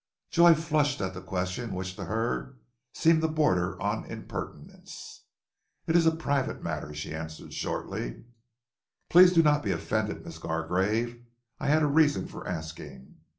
Joy flushed at the question which to her seemed to border on impertinence. "It is a private matter," she answered shortly. "Please do not be offended, Miss Gargrave. I had a reason for asking.